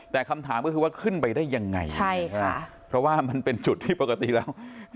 แต่คำถามก็คือว่าขึ้นไปได้ยังไงใช่ค่ะเพราะว่ามันเป็นจุดที่ปกติแล้ว